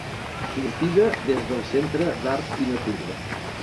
Sortida des del Centre d'Art i Natura.